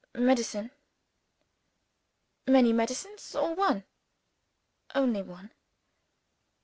"Medicine." "Many medicines? or one?" "Only one."